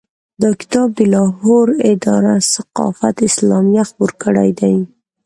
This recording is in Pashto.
دا کتاب د لاهور اداره ثقافت اسلامیه خپور کړی دی.